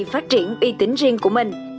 phát triển uy tín riêng của mình